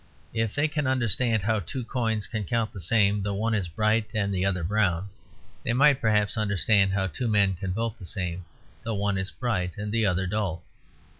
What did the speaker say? If they can understand how two coins can count the same though one is bright and the other brown, they might perhaps understand how two men can vote the same though one is bright and the other dull.